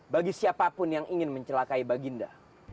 bagi siapapun yang ingin mencelakai baginda